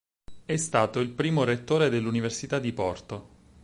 È stato il primo rettore dell'Università di Porto.